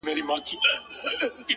• ما د زمانې د خُم له رنګه څخه وساته ,